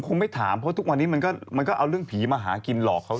ไม่ถามเพราะทุกวันนี้มันก็เอาเรื่องผีมาหากินหลอกเขา